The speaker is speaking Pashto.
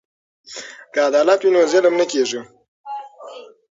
که عدالت وي نو ظلم نه کیږي.